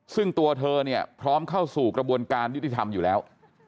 ซึ่งตัวเธอเนี่ยพร้อมเข้าสู่กระบวนการยุติธรรมอยู่แล้ว